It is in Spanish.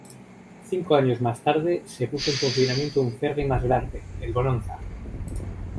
Cinco años más tarde se puso en funcionamiento un ferri más grande, el Bonanza.